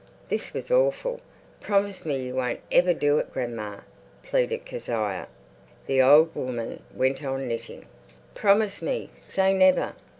This was awful. "Promise me you won't ever do it, grandma," pleaded Kezia. The old woman went on knitting. "Promise me! Say never!"